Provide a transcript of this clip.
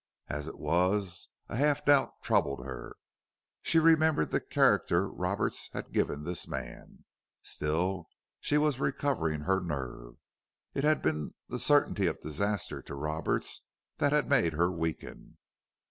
As it was, a half doubt troubled her. She remembered the character Roberts had given this man. Still, she was recovering her nerve. It had been the certainty of disaster to Roberts that had made her weaken.